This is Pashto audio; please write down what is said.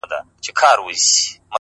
زمـــا د رسـوايـــۍ كــيســه؛